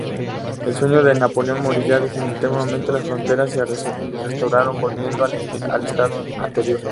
El sueño de Napoleón moría definitivamente, las fronteras se restauraron volviendo al estado anterior.